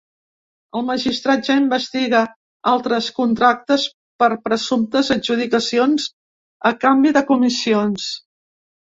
El magistrat ja investiga altres contractes per presumptes adjudicacions a canvi de comissions.